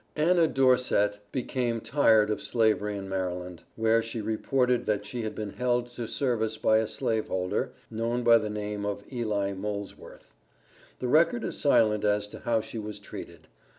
ANNA DORSET became tired of Slavery in Maryland, where she reported that she had been held to service by a slave holder, known by the name of Eli Molesworth. The record is silent as to how she was treated.